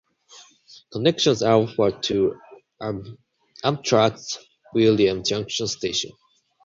Connections are offered to Amtrak's Williams Junction station.